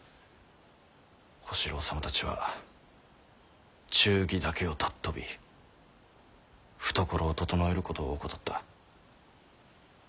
小四郎様たちは忠義だけを尊び懐をととのえることを怠った。